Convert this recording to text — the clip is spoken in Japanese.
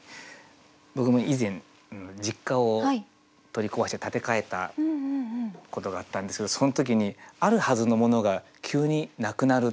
僕も以前実家を取り壊して建て替えたことがあったんですけどその時にあるはずのものが急になくなる。